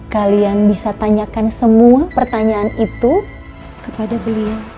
kalian bisa tanyakan semua pertanyaan itu kepada beliau